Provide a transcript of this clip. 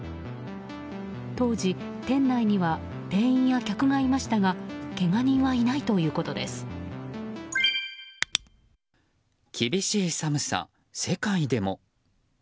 当時、店内には店員や客がいましたがけが人はいないということです。